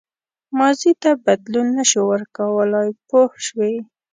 ماضي ته بدلون نه شو ورکولای پوه شوې!.